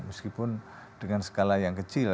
meskipun dengan skala yang kecil